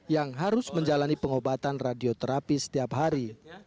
yang harus menjalani pengobatan radioterapi setiap hari